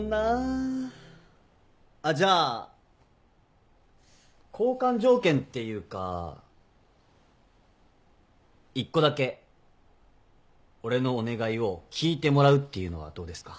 あっじゃあ交換条件っていうか１個だけ俺のお願いを聞いてもらうっていうのはどうですか？